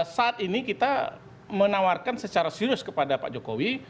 saat ini kita menawarkan secara serius kepada pak jokowi